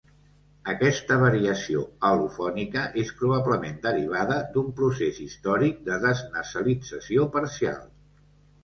Aquesta variació al·lofònica és probablement derivada d'un procés històric de desnassalització parcial.